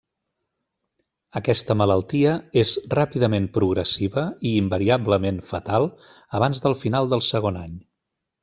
Aquesta malaltia és ràpidament progressiva i invariablement fatal abans del final del segon any.